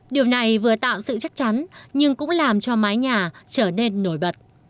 điều này vừa tạo sự chắc chắn nhưng cũng làm cho mái nhà trở nên nổi bật